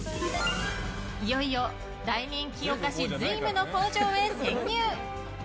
いよいよ、大人気お菓子瑞夢の工場へ潜入！